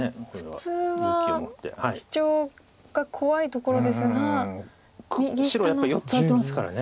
普通はシチョウが怖いところですが白はやっぱり４つ空いてますから。